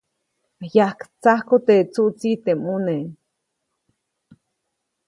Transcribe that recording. Yajtsajku teʼ tsuʼtsi teʼ mʼuneʼ.